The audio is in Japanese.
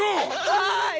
はい！